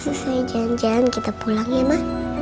susah jangan jangan kita pulang ya ma